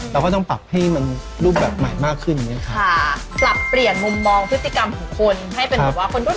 เราก็ต้องปรับให้มันรูปแบบใหม่มากขึ้นอย่างนี้ค่ะ